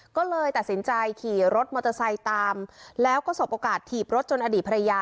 ก็เลยตัดสินใจขี่รถมอเตอร์ไซค์ตามแล้วก็สบโอกาสถีบรถจนอดีตภรรยา